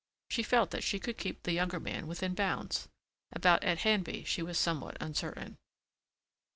She felt that she could keep the younger man within bounds. About Ed Handby she was somewhat uncertain.